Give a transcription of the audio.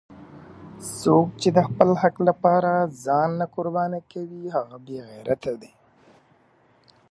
څوک چې د خپل حق لپاره ځان نه قربانوي هغه بېغیرته دی!